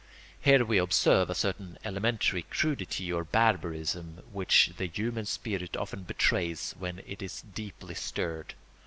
Here we observe a certain elementary crudity or barbarism which the human spirit often betrays when it is deeply stirred.